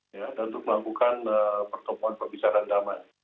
dan untuk melakukan pertemuan perbicaraan damai